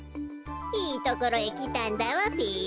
いいところへきたんだわべ。